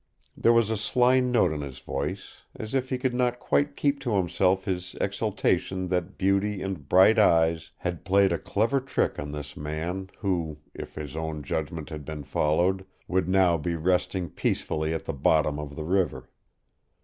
There was a sly note in his voice, as if he could not quite keep to himself his exultation that beauty and bright eyes had played a clever trick on this man who, if his own judgment had been followed, would now be resting peacefully at the bottom of the river.